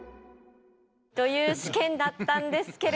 という試験だったんですけれども。